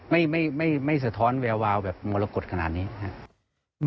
ไม่ไม่สะท้อนแวววาวแบบมรกฏขนาดนี้ครับ